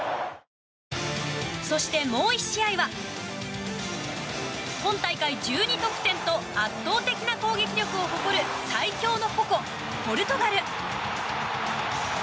そしてもう１試合は今大会１２得点と圧倒的な攻撃力を誇る最強の矛、ポルトガル。